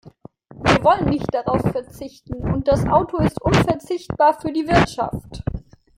Wir wollen nicht darauf verzichten, und das Auto ist unverzichtbar für die Wirtschaft.